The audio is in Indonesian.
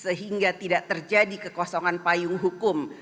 sehingga tidak terjadi kekosongan payung hukum